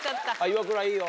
イワクラいいよ。